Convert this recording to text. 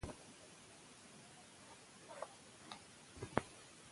ازموينه تکليف لري